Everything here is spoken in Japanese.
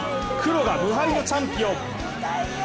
黒が無敗のチャンピオン。